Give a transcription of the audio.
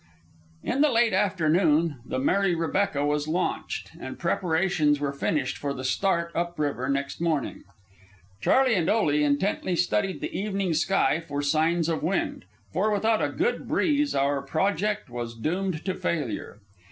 In the late afternoon the Mary Rebecca was launched, and preparations were finished for the start up river next morning. Charley and Ole intently studied the evening sky for signs of wind, for without a good breeze our project was doomed to failure.